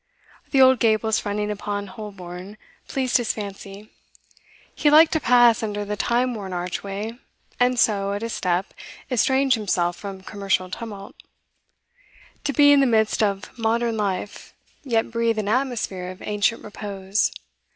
The old gables fronting upon Holborn pleased his fancy; he liked to pass under the time worn archway, and so, at a step, estrange himself from commercial tumult, to be in the midst of modern life, yet breathe an atmosphere of ancient repose.